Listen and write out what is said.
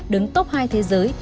đứng tốt hai thế giới